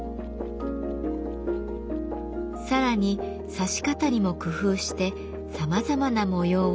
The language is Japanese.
さらに刺し方にも工夫してさまざまな模様を描きました。